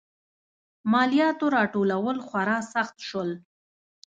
مالیاتو راټولول خورا سخت شول.